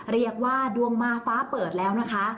เรียกว่าดวงมาฟ้าเปิดแล้วนะคะ